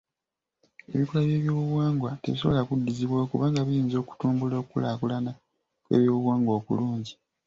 Ebikolwa by'ebyobuwangwa tebisobola kuddizibwawo kubanga biyinza okutumbula okulaakulana kw'obuwangwa okulungi.